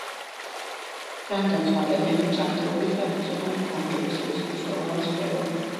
ჯანდაცვა ადამიანის ჯანმრთელობის დაცვისა და გაუმჯობესების მნიშვნელოვანი სფეროა